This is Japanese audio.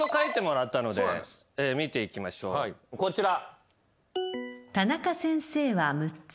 見ていきましょうこちら。